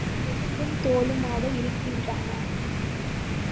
எலும்பும் தோலுமாக இருக்கின்றன.